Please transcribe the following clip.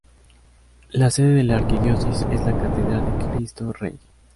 La sede de la Arquidiócesis es la Catedral de Cristo Rey.